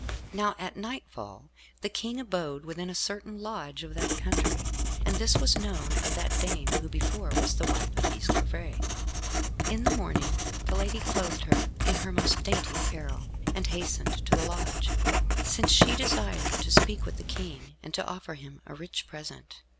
Now at nightfall the King abode within a certain lodge of that country, and this was known of that dame who before was the wife of Bisclavaret. In the morning the lady clothed her in her most dainty apparel, and hastened to the lodge, since she desired to speak with the King, and to offer him a rich present.